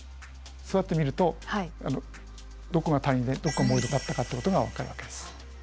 そうやって見るとどこが谷でどこが盛り土だったかっていうことが分かるわけです。